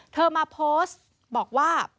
เธอมาโพสต์บอกว่า